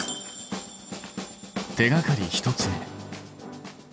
手がかり１つ目。